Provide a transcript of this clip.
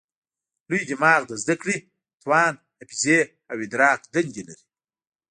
لوی دماغ د زده کړې، توان، حافظې او ادراک دندې لري.